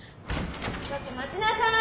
ちょっと待ちなさい！